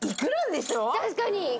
確かに。